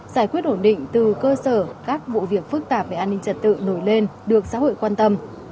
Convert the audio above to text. giải quyết ổn định từ cơ sở các vụ việc phức tạp về an ninh trật tự nổi lên được xã hội quan tâm